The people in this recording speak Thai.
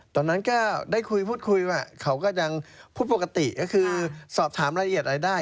ตอนนั้นก็ได้คุยพูดคุยว่าเขาก็ยังพูดปกติก็คือสอบถามรายละเอียดอะไรได้